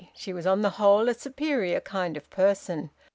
She was on the whole a superior kind of person.